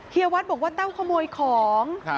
เฮียวัฒน์บอกว่าแต้วขโมยของ